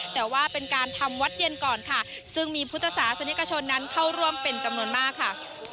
แต่ว่าเป็นการทำวัดเย็นก่อนค่ะซึ่งมีพุทธศาสนิกชนนั้นเข้าร่วมเป็นจำนวนมากค่ะ